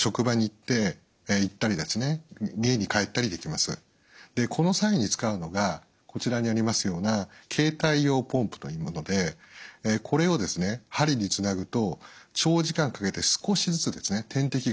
さすがにこの際に使うのがこちらにありますような携帯用ポンプというものでこれを針につなぐと長時間かけて少しずつ点滴が自動で入っていくんですね。